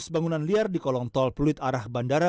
seratus bangunan liar di kolong tol peluit arah bandara